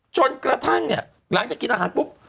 จนกระทั่งเนี่ยหลังจากกินอาหารปุ๊บ